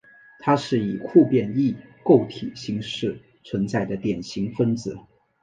它是以互变异构体形式存在的典型分子。